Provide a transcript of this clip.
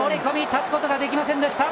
立つことができませんでした。